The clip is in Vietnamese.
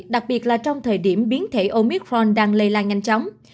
đặc biệt là trong thời điểm biến thể omitforn đang lây lan nhanh chóng